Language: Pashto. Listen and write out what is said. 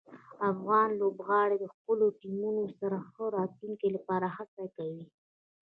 افغان لوبغاړي د خپلو ټیمونو سره د ښه راتلونکي لپاره هڅه کوي.